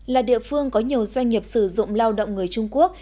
là địa phương có nhiều doanh nghiệp sử dụng lao động người trung quốc